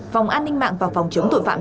phòng an ninh mạng và phòng chống tội phạm